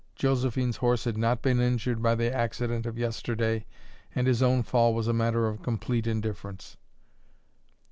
Josephine's horse had not been injured by the accident of yesterday, and his own fall was a matter of complete indifference.